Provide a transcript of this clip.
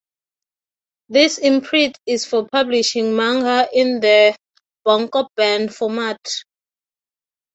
This imprint is for publishing manga in the bunkoban format.